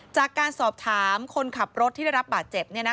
จากการสอบถามคนขับรถที่ได้รับบาดเจ็บ